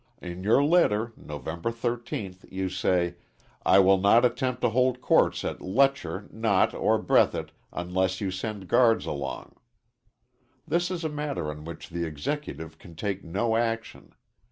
In your letter, November 13th, you say: "I will not attempt to hold courts at Letcher, Knott or Breathitt unless you send guards along." This is a matter on which the Executive can take no action.